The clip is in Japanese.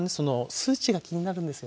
数値が気になるんですよね。